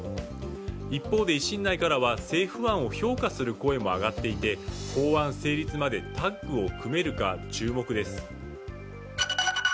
一方で、維新内からは政府案を評価する声も上がっていて法案成立までタッグを組めるか注目です。